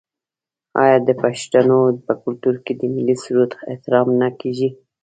آیا د پښتنو په کلتور کې د ملي سرود احترام نه کیږي؟